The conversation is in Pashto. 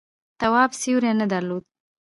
تواب سیوری نه درلود.